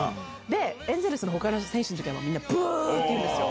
で、エンゼルスのほかの選手のときは、みんなぶーって言うんですよ。